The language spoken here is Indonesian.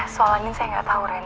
soalnya ini saya enggak tahu ren